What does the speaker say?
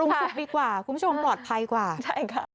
สุกดีกว่าคุณผู้ชมปลอดภัยกว่าใช่ค่ะ